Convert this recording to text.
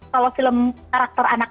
kalau film karakter anak